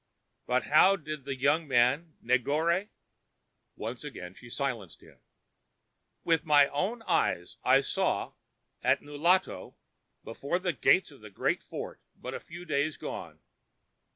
But how did the young man, Negore?" Once again she silenced him. "With my own eyes I saw, at Nulato, before the gates of the great fort, and but few days gone.